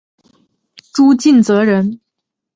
朱敬则人。